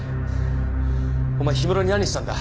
お前氷室に何したんだ？